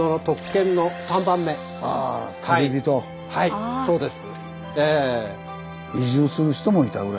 はいそうです。